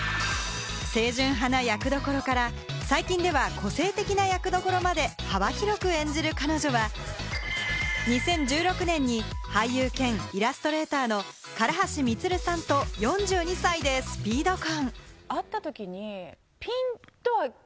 清純派な役どころから、最近では個性的な役どころまで幅広く演じる彼女は、２０１６年に俳優兼イラストレーターの唐橋充さんと４２歳でスピード婚。